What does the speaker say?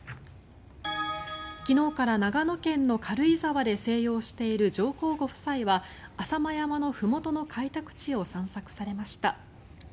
昨日から長野県の軽井沢で静養している上皇ご夫妻は浅間山のふもとの開拓地を散策されました。